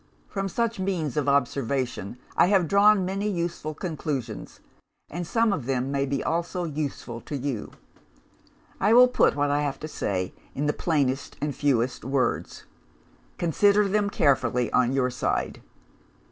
From such means of observation, I have drawn many useful conclusions; and some of them may be also useful to you. I will put what I have to say, in the plainest and fewest words: consider them carefully, on your side.